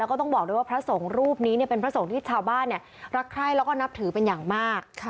แล้วก็ต้องบอกด้วยว่าพระสงฆ์รูปนี้เป็นพระสงฆ์ที่ชาวบ้านรักใคร้แล้วก็นับถือเป็นอย่างมาก